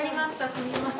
すみません。